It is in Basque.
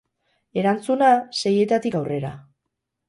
Erantzuna, seietatik aurrera.